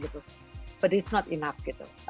tapi itu tidak cukup